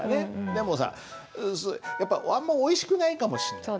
でもさやっぱあんまおいしくないかもしんない。